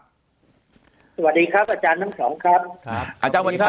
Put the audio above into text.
สวัสดีครับอาจารย์น้ำสองครับ